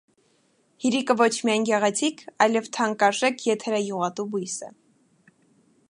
Հիրիկը ոչ միայն գեղեցիկ, այլև թանկարժեք եթերայուղատու բույս է։